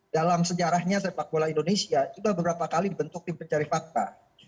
dalam sejarahnya sepak bola indonesia sudah beberapa kali dibentuk tim pencari fakta